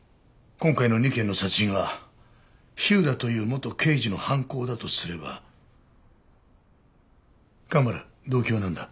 今回の２件の殺人は火浦という元刑事の犯行だとすれば蒲原動機はなんだ？